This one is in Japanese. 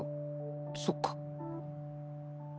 そっか。